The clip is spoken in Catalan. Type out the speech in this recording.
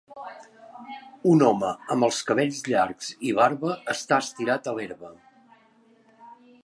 Un home amb els cabells llargs i barba està estirat a l'herba.